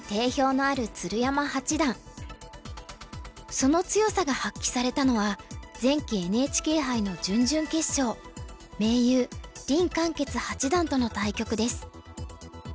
その強さが発揮されたのは前期ＮＨＫ杯の準々決勝盟友林漢傑八段との対局です。